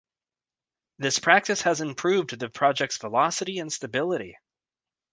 This practice has improved the project's velocity and stability.